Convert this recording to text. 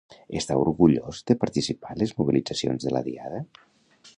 Està orgullós de participar en les mobilitzacions de la diada?